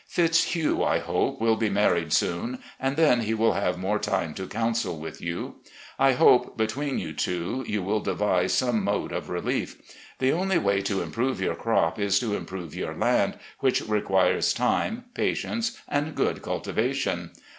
Fitzhugh, I hope, will be married soon, and then he will have more time to counsel with you. I hope, between you two, you will devise some mode of relief. The only way to improve your crop is to improve your land, which reqiaires time, patience, and good cultivation.